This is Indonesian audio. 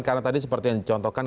karena tadi seperti yang dicontohkan